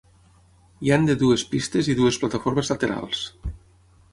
Hi han de dues pistes i dues plataformes laterals.